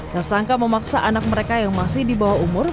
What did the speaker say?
tersangka memaksa anak mereka yang masih di bawah umur